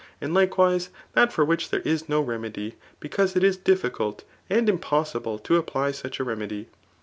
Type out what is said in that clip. And likewise that for which there is no remedy ; because it is difficult and impossible to apply such a remedy.